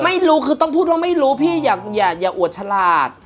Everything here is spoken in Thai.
ไม่รู้คือต้องพูดว่าไม่รู้พี่อย่าอวดฉลาด